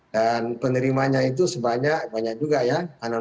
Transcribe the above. dan penerimanya itu sebanyak banyak juga ya